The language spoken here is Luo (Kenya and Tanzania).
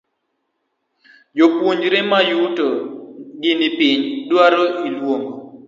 Jopuonjre mayuto gi ni piny dwaro iluongo